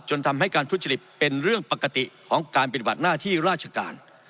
ทำให้การทุจริตเป็นเรื่องปกติของการปฏิบัติหน้าที่ราชการ